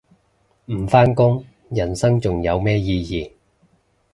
唔返工人生仲有咩意義